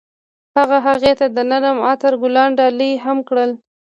هغه هغې ته د نرم عطر ګلان ډالۍ هم کړل.